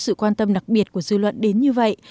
sự quan tâm đặc biệt của dư luận đến như vậy